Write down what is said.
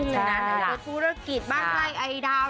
จากธุรกิจบ้านไร้ไอดาว